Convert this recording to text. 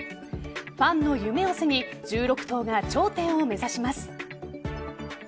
ファンの夢を背に１６頭が頂点を目指します。